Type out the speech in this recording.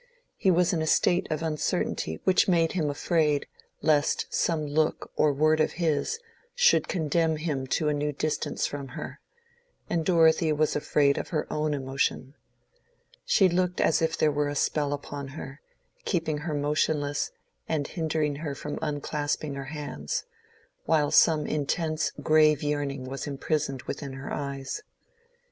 He was in a state of uncertainty which made him afraid lest some look or word of his should condemn him to a new distance from her; and Dorothea was afraid of her own emotion. She looked as if there were a spell upon her, keeping her motionless and hindering her from unclasping her hands, while some intense, grave yearning was imprisoned within her eyes.